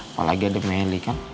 apalagi ada meli kan